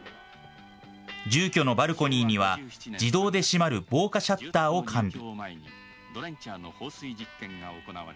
住居のバルコニーには自動で閉まる防火シャッターを完備。